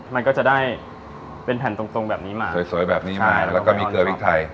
มันก็จะได้เป็นแผ่นตรงตรงแบบนี้มาสวยแบบนี้มาแล้วก็มีเกลือพริกไทย